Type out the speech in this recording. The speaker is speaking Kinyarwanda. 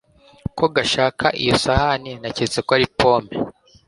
ko gashaka iyo sahane Naketse ko ari pome